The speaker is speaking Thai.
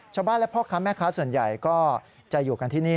ชาวบ้านและพ่อค้าแม่ค้าส่วนใหญ่ก็จะอยู่กันที่นี่